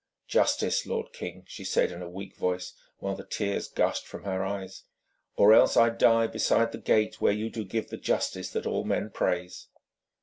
'Justice, lord king,' she said in a weak voice, while the tears gushed from her eyes. 'Or else I die beside the gate where you do give the justice that all men praise.'